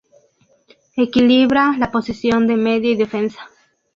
Equilibra la posición de medio y defensa.